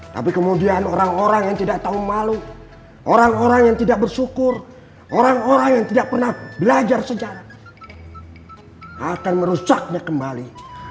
tapi kemudian orang orang yang tidak tahu malu orang orang yang tidak bersyukur orang orang yang tidak pernah belajar sejarah akan merusaknya kembali